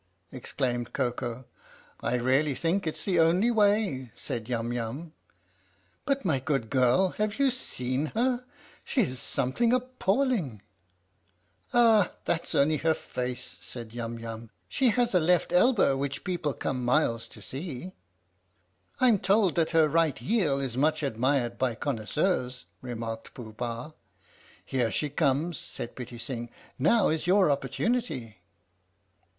exclaimed Koko. " I really think it 's the only way," said Yum Yum. " But, my good girl, have you seen her? She's something appalling !"" Ah, that 's only her face," said Yum Yum. " She has a left elbow which people come miles to see." " I'm told that her right heel is much admired by connoisseurs," remarked Pooh Bah. " Here she comes," said Pitti Sing. " Now is your opportunity."